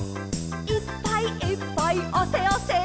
「いっぱいいっぱいあせあせ」